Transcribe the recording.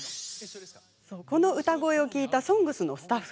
この歌声を聞いた「ＳＯＮＧＳ」のスタッフ。